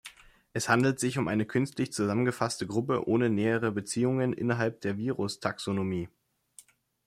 Es handelt sich um eine künstlich zusammengefasste Gruppe ohne nähere Beziehungen innerhalb der Virus-Taxonomie.